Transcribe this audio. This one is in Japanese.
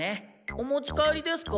お持ち帰りですか？